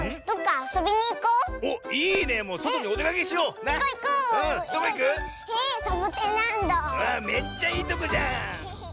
あっめっちゃいいとこじゃん！